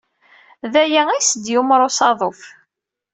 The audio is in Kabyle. D aya ayyes d-yumeṛ usaḍuf.